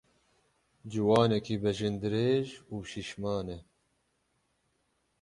Ciwanekî bejindirêj û şîşman e.